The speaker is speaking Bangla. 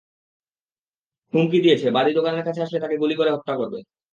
হুমকি দিয়েছে, বাদী দোকানের কাছে আসলে তাকে গুলি করে হত্যা করবে।